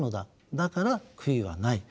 だから悔いはない。